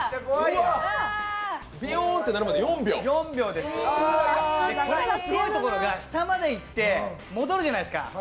これのすごいところが下まで行って戻るじゃないですか。